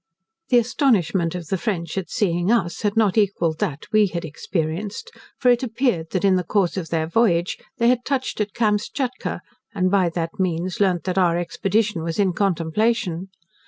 The astonishment of the French at seeing us, had not equalled that we had experienced, for it appeared, that in the course of their voyage they had touched at Kamschatka, and by that means learnt that our expedition was in contemplation.